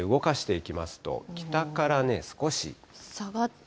動かしていきますと、北からね、少し。